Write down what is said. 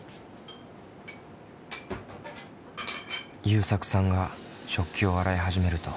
ゆうさくさんが食器を洗い始めると。